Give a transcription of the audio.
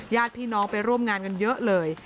ญาติพี่น้องไปร่วมงานกันเยอะเลย